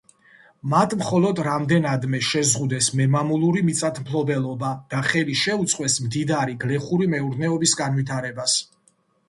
მათ მხოლოდ რამდენადმე შეზღუდეს მემამულური მიწათმფლობელობა და ხელი შეუწყვეს მდიდარი გლეხური მეურნეობის განვითარებას.